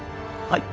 はい。